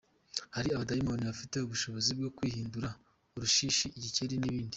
Hari abadayimoni bafite ubushobozi bwo kwihindura urushishi, igikeri, nibindi.